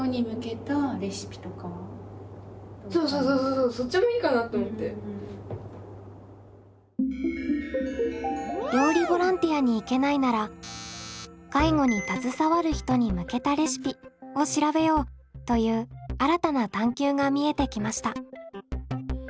さあこのように料理ボランティアに行けないなら「介護に携わる人に向けたレシピ」を調べようという新たな探究が見えてきました。